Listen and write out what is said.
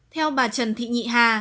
theo bà trần thị nhị hà